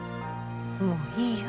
もういいよ。